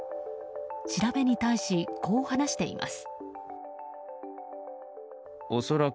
調べに対し、こう話しています。